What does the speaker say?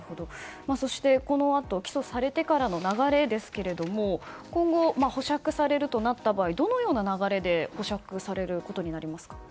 そして、このあと起訴されてからの流れですが今後、保釈されるとなった場合どのような流れで保釈されることになりますか。